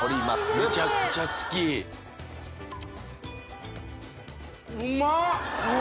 めちゃくちゃ好きうまっ！